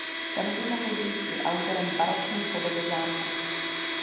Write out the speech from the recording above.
Ten by mohl být i autorem barokní podoby zámku.